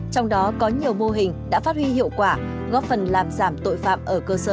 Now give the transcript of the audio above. trong đó có nhiều mô hình đã phát huy hiệu quả góp phần làm giảm tội phạm ở cơ sở